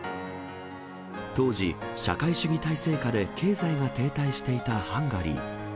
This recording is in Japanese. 当時、社会主義体制下で経済が停滞していたハンガリー。